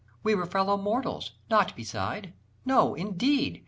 We were fellow mortals, nought beside? No, indeed!